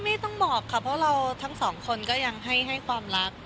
ไม่ต้องบอกค่ะเพราะเราทั้งสองคนก็ยังให้ความรัก